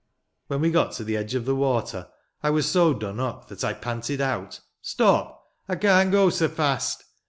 When we got to the edge of the water, I was so done up that I panted out: "Stop! I can't go so fast!"